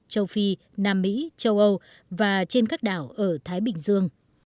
châu phi nam mỹ châu âu và trên các đảo ở thái bình dương